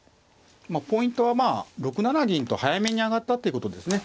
ポイントは６七銀と早めに上がったっていうことですね。